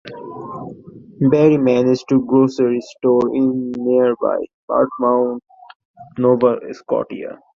Barry managed a grocery store in nearby Dartmouth, Nova Scotia.